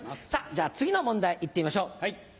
じゃ次の問題行ってみましょう。